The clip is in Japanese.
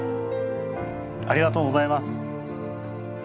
ありがとうございます。